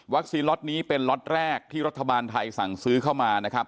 ล็อตนี้เป็นล็อตแรกที่รัฐบาลไทยสั่งซื้อเข้ามานะครับ